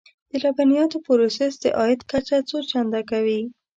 د لبنیاتو پروسس د عاید کچه څو چنده کوي.